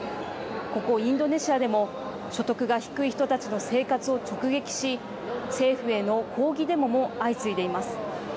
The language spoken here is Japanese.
ここ、インドネシアでも所得が低い人たちの生活を直撃し政府への抗議デモも相次いでいます。